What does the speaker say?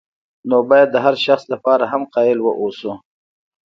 نو باید د هر شخص لپاره هم قایل واوسو.